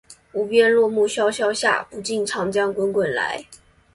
无边落木萧萧下，不尽长江滚滚来